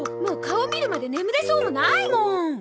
もう顔を見るまで眠れそうもないもん。